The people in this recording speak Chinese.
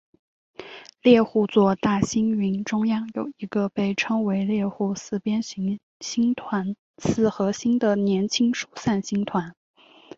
猎户座大星云中央有一个被称为猎户四边形星团四合星的年轻疏散星团。